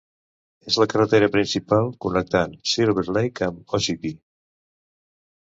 És la carretera principal connectant Silver Lake amb Ossipee.